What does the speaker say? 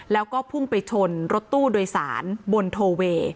แล้วก็พุ่งไปชนรถตู้โดยสารบนโทเวย์